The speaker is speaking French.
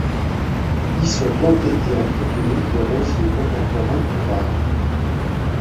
Y sont plantés et entretenus des rosiers contemporains ou rares.